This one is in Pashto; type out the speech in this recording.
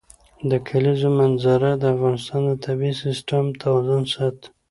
د کلیزو منظره د افغانستان د طبعي سیسټم توازن ساتي.